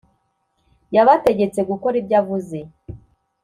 yabategetse gukora ibyo avuze